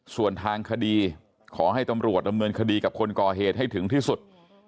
ส่วนทางคดีขอให้ตำรวจดำเนินคดีกับคนก่อเหตุให้ถึงที่สุด